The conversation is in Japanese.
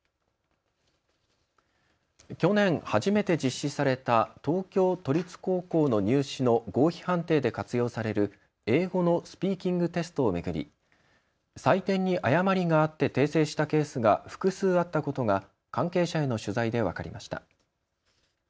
去年初めて実施された東京都立高校の入試の合否判定で活用される英語のスピーキングテストを巡り採点に誤りがあって訂正したケースが複数あったことが関係者への取材で分かりました。